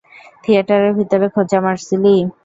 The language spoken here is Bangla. থিয়েটারের ভেতরে খোঁচা মারছিলি।